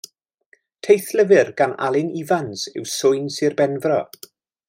Teithlyfr gan Alun Ifans yw Swyn Sir Benfro.